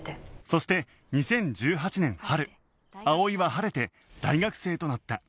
そして２０１８年春葵は晴れて大学生となった